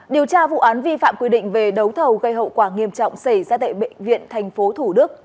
điều tra vụ án vi phạm quy định về đấu thầu gây hậu quả nghiêm trọng xảy ra tại bệnh viện tp thủ đức